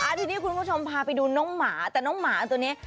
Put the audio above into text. ทีนี้คุณผู้ชมพาไปดูน้องหมาแต่น้องหมาตัวนี้